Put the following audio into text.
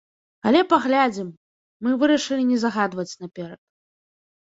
Але паглядзім, мы вырашылі не загадваць наперад.